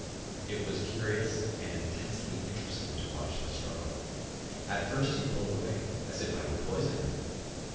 It was curious and intensely interesting to watch the struggle. At first he pulled away, as if I would poison him.